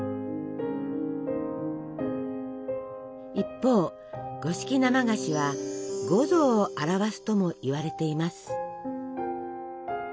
一方五色生菓子は五臓を表すともいわれています。